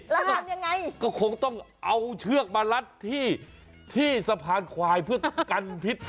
แล้วทำยังไงก็คงต้องเอาเชือกมารัดที่สะพานควายเพื่อกันพิษ